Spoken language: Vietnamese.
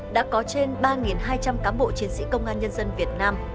đã có trên ba hai trăm linh cán bộ chiến sĩ công an nhân dân việt nam